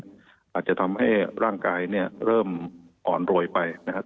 อาจจะทำให้ร่างกายเนี่ยเริ่มอ่อนรวยไปนะครับ